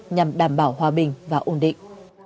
nhằm đảm bảo hòa bình và ổn định